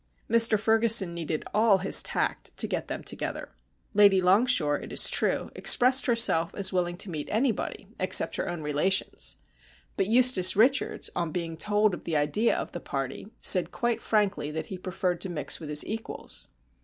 Mr Ferguson needed all his tact to get them together. Lady Longshore, it is true, expressed herself as willing to meet anybody except her own relations. But Eustace Richards, on being told of the idea of the party, said quite frankly that he preferred to mix with his equals.